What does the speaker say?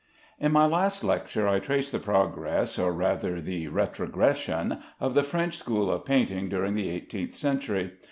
In my last lecture I traced the progress or rather the retrogression of the French school of painting during the eighteenth century.